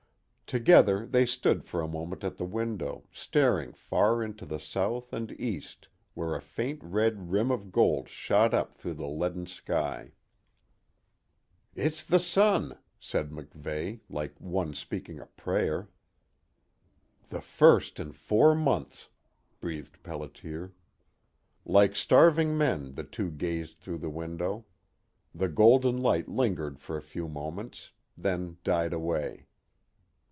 Together they stood for a moment at the window, staring far to the south and east, where a faint red rim of gold shot up through the leaden sky. "It's the sun," said MacVeigh, like one speaking a prayer. "The first in four months," breathed Pelliter. Like starving men the two gazed through the window. The golden light lingered for a few moments, then died away.